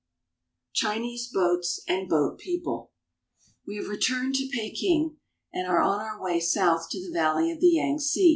CHINESE BOATS AND BOAT PEOPLE WE have returned to Peking, and are on our way south to the valley of the Yangtze.